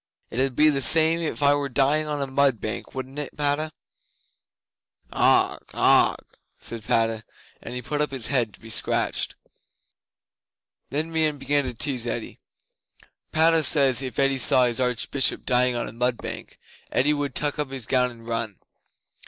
It 'ud be the same if I were dying on a mud bank, wouldn't it, Padda?" '"Augh! Augh!" said Padda, and put up his head to be scratched. 'Then Meon began to tease Eddi: "Padda says, if Eddi saw his Archbishop dying on a mud bank Eddi would tuck up his gown and run.